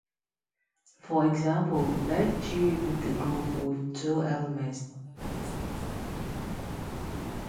For example, let "G" be the group with two elements, under the discrete topology.